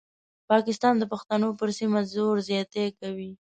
پاکستان د پښتنو پر سیمه زور زیاتی کوي.